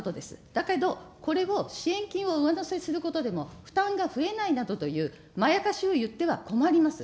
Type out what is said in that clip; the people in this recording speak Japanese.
だけど、これを支援金を上乗せすることでも負担が増えないなどというまやかしを言っては困ります。